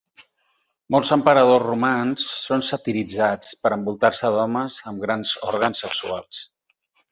Molts emperadors romans són satiritzats per envoltar-se d'homes amb grans òrgans sexuals.